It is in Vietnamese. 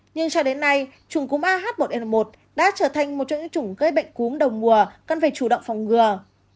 nhưng cho đến nay trùng cúm ah một n một đã trở thành một trong những chủng gây bệnh cúm đầu mùa cần phải chủ động phòng ngừa